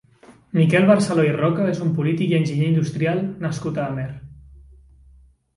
Miquel Barceló i Roca és un polític i enginyer industrial nascut a Amer.